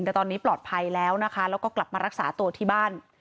แต่ตอนนี้ปลอดภัยแล้วนะคะแล้วก็กลับมารักษาตัวที่บ้าน